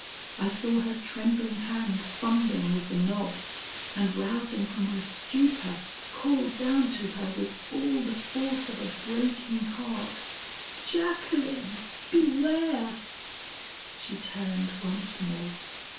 I saw her trembling hand fumbling with the knob, and rousing from my stupor, called down to her with all the force of a breaking heart, "'Jacqueline, beware!' "She turned once more.